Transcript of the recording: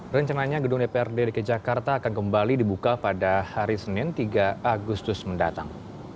rencananya gedung dprd dki jakarta akan kembali dibuka pada hari senin tiga agustus mendatang